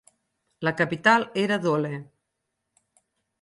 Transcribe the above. La capital era Dole.